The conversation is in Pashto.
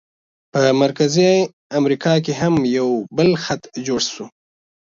په مرکزي امریکا کې هم یو بل خط جوړ شو.